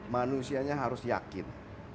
manusianya harus yakin